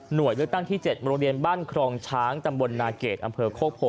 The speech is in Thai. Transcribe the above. โดยเลือกตั้งที่๗โรงเรียนบ้านครองช้างตำบลนาเกรดอำเภอโคกโพ